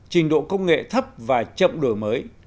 trình độ công nghệ thấp và chậm đổi mới